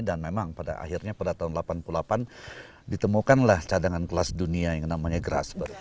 dan memang pada akhirnya pada tahun delapan puluh delapan ditemukanlah cadangan kelas dunia yang namanya grasberg